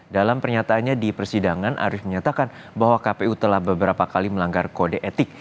dalam pernyataannya di persidangan arief menyatakan bahwa kpu telah beberapa kali melanggar kode etik